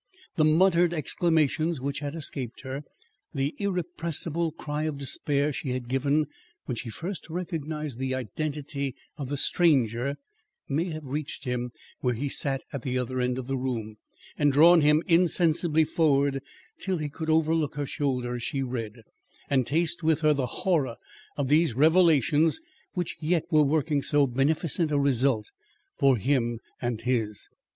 The muttered exclamations which had escaped her, the irrepressible cry of despair she had given when she first recognised the identity of the "stranger" may have reached him where he sat at the other end of the room, and drawn him insensibly forward till he could overlook her shoulder as she read, and taste with her the horror of these revelations which yet were working so beneficent a result for him and his.